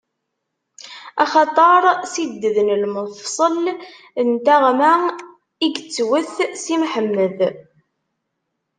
Axaṭer s ided n lmefṣel n taɣma i yettwet Si Mḥemmed.